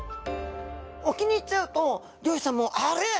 沖に行っちゃうと漁師さんも「あれっ？